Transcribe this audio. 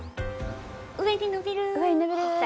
上に伸びる沈む。